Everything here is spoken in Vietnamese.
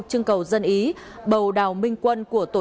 chương cầu dân ý bầu đào minh quân của tổ chức